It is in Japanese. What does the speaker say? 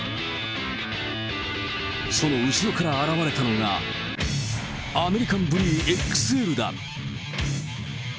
その後ろから現れたのが、アメリカンブリーＸＬだ。